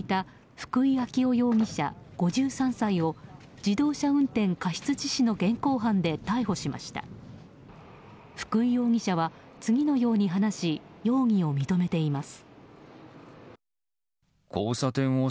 福井容疑者は次のように話し容疑を認めています。